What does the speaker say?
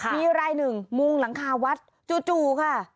มีรายหนึ่งมุงหลังคาวัดจู่ค่ะ